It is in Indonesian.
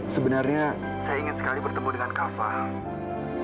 sebenarnya saya ingin sekali bertemu dengan kava